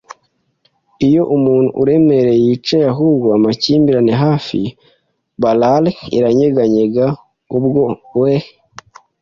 iyo umuntu uremereye yicaye ahubwo amakimbirane hafi. Barrale iranyeganyega ubwo we